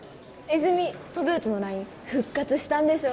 泉ソブーとのＬＩＮＥ復活したんでしょ？